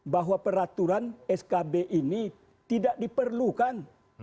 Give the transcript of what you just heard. bahwa peraturan skb ini tidak diperlukan